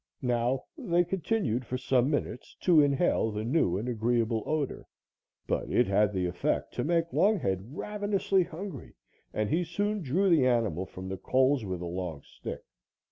Now they continued for some minutes to inhale the new and agreeable odor, but it had the effect to make Longhead ravenously hungry, and he soon drew the animal from the coals with a long stick.